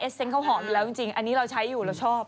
เซนต์เขาหอมอยู่แล้วจริงอันนี้เราใช้อยู่เราชอบ